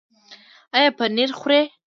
ایا پنیر خورئ؟